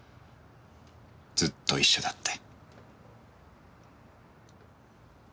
ずっと一緒だって。